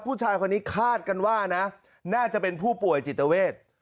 ผู้ชายคนนี้คาดกันว่านะน่าจะเป็นผู้ป่วยจิตเวท